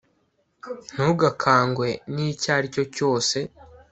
ntugakangwe ni icyo ari cyo cyose